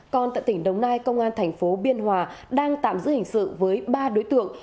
còn tại tỉnh đồng nai công an thành phố biên hòa đang tạm giữ hình sự với ba đối tượng